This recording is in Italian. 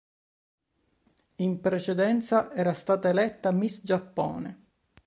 In precedenza era stata eletta Miss Giappone.